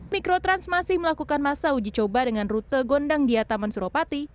mikrotrans masih melakukan masa uji coba dengan rute gondang dia taman suropati